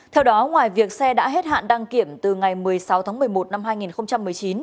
theo đó ngoài việc xe đã hết hạn đăng kiểm từ ngày một mươi sáu tháng một mươi một năm hai nghìn một mươi chín